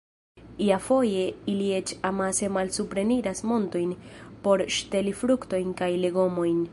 Iafoje ili eĉ amase malsupreniras montojn por ŝteli fruktojn kaj legomojn.